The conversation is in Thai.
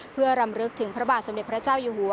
เพื่อรำลึกถึงพระบาทสมเด็จพระเจ้าอยู่หัว